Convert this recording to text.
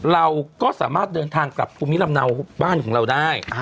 เราก็สามารถเดินทางกลับภูมิลำเนาบ้านของเราได้